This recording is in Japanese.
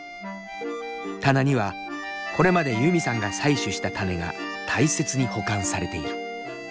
棚にはこれまでユミさんが採取した種が大切に保管されている。